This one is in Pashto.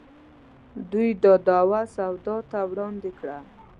دوی دا دعوه سودا ته وړاندې کوي.